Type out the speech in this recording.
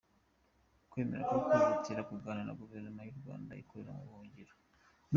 «Kwemera no kwihutira kuganira na Guverinoma y’u Rwanda ikorera mu buhungiro».